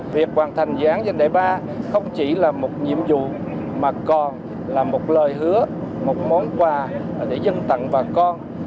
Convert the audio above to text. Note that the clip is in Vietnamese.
việc hoàn thành dự án dân đại ba không chỉ là một nhiệm vụ mà còn là một lời hứa một món quà để dân tặng bà con